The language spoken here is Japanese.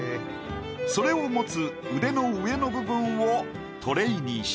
それを持つ腕の上の部分をトレーにした。